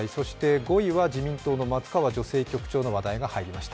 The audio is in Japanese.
５位は自民党の松川女性局長の話題が入りました。